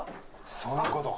そういうことか！